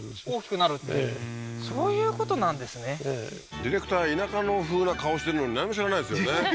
ディレクター田舎風な顔してるのに何も知らないですよね